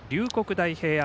大平安